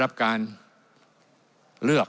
อเจมส์อคุณแรก